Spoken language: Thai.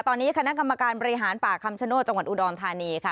ตอนนี้คณะกรรมการบริหารป่าคำชโนธจังหวัดอุดรธานีค่ะ